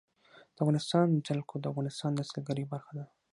د افغانستان جلکو د افغانستان د سیلګرۍ برخه ده.